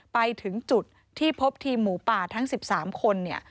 ไปถึงจุดที่พบทีมหมูป่าทั้ง๑๓คน